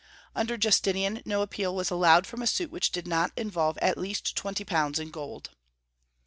Under Justinian no appeal was allowed from a suit which did not involve at least twenty pounds in gold.